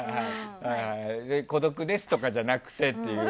孤独ですとかじゃなくてっていう。